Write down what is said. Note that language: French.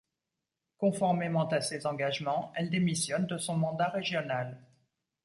Conformément à ses engagements, elle démissionne de son mandat régional.